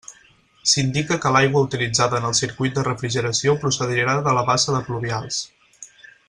S'indica que l'aigua utilitzada en el circuit de refrigeració procedirà de la bassa de pluvials.